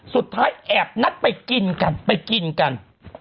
แอบนัดไปกินกันไปกินกัน